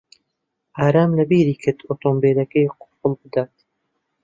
ئارام لەبیری کرد ئۆتۆمۆبیلەکەی قوفڵ بدات.